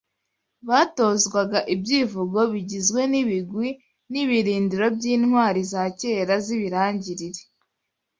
Batozwaga ibyivugo bigizwe n’ibigwi n’ibirindiro by’intwari za kera z’ibirangirire